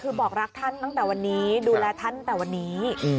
คือบอกรักท่านตั้งแต่วันนี้ดูแลท่านแต่วันนี้